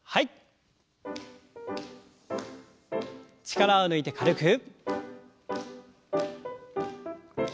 力を抜いて軽く。